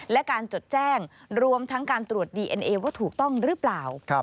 และการจดแจ้งรวมทั้งการตรวจดีเอ็นเอว่าถูกต้องหรือเปล่า